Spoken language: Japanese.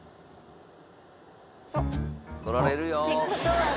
取られるよ。